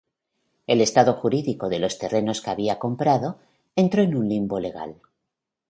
El estado jurídico de los terrenos que había comprado entró en un limbo legal.